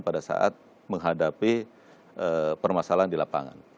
pada saat menghadapi permasalahan di lapangan